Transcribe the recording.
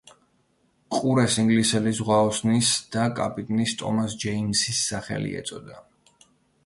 ყურეს ინგლისელი ზღვაოსნის და კაპიტნის ტომას ჯეიმზის სახელი ეწოდა.